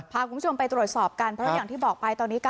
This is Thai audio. พาคุณผู้ชมไปตรวจสอบกันเพราะอย่างที่บอกไปตอนนี้